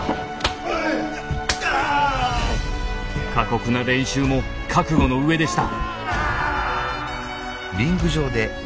過酷な練習も覚悟の上でした。